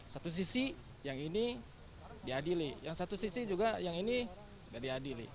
satu sisi yang ini diadili yang satu sisi juga yang ini tidak diadili